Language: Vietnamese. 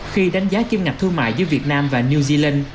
khi đánh giá kim ngạch thương mại giữa việt nam và new zealand